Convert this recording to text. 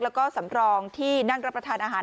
แล้วก็สำรองที่นั่งรับประทานอาหาร